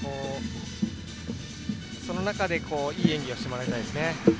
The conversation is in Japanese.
その中でいい演技をしてもらいたいですね。